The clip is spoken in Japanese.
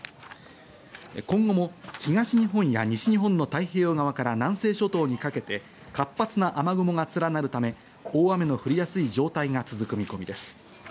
今後も東日本や西日本の太平洋側から南西諸島にかけて活発な雨雲が連なるため、大雨の降りやすい状態が続く見込みです。